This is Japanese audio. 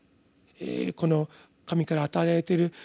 この神から与えられてる